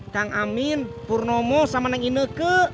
kang amin purnomo sama neng ineke